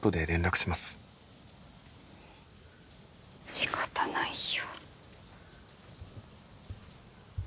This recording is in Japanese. しかたないよ。